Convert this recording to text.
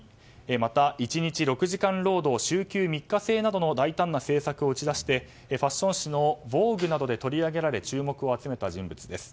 また１日６時間労働週休３日制などの大胆な政策を打ち出してファッション誌の「ヴォーグ」などで取り上げられ注目を集めた人物です。